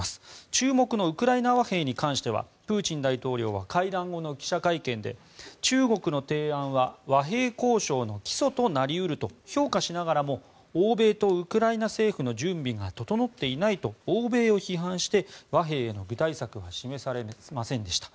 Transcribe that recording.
注目のウクライナ和平に関してはプーチン大統領は会談後の記者会見で中国の提案は和平交渉の基礎となり得ると評価しながらも欧米とウクライナ政府の準備が整っていないと欧米を批判して和平への具体策は示されませんでした。